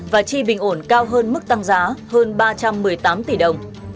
và chi bình ổn cao hơn mức tăng giá hơn ba trăm một mươi tám tỷ đồng